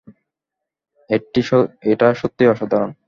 এটা সত্যিই অসাধারণ।